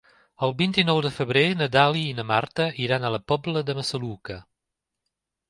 El vint-i-nou de febrer na Dàlia i na Marta iran a la Pobla de Massaluca.